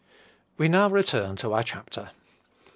We now return to our chapter.